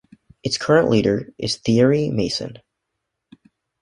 Its current leader is Thierry Meyssan.